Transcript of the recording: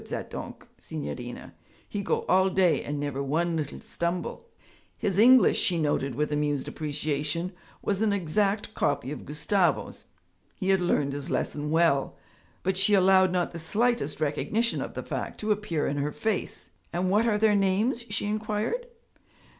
Zat donk', signorina, he go all day and never one little stumble.' His English, she noted with amused appreciation, was an exact copy of Gustavo's; he had learned his lesson well. But she allowed not the slightest recognition of the fact to appear in her face. 'And what are their names?' she inquired.